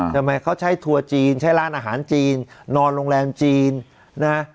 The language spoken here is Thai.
ทำไมเขาใช้ทัวร์จีนใช้ร้านอาหารจีนนอนโรงแรมจีนนะฮะ